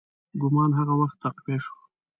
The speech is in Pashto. ګومان هغه وخت تقویه شو.